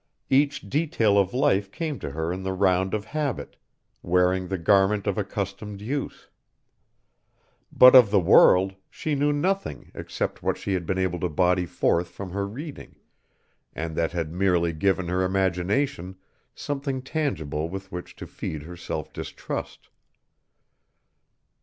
Each detail of life came to her in the round of habit, wearing the garment of accustomed use. But of the world she knew nothing except what she had been able to body forth from her reading, and that had merely given her imagination something tangible with which to feed her self distrust.